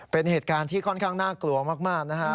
เป็นเหตุการณ์ที่ค่อนข้างน่ากลัวมากนะฮะ